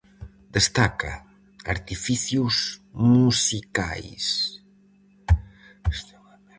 Destaca "Artificios musicais".